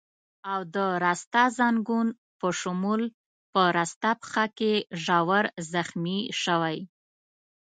او د راسته ځنګون په شمول په راسته پښه کې ژور زخمي شوی.